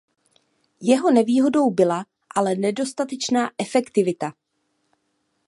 Jeho nevýhodou byla ale nedostatečná efektivita.